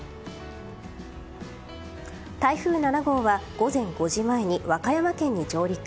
台風７号は午前５時前に和歌山県に上陸。